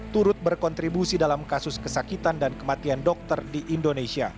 turut berkontribusi dalam kasus kesakitan dan kematian dokter di indonesia